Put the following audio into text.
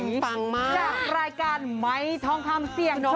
จากรายการไมค์ทองคำเสียงโชว์